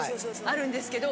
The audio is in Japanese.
あるんですけど。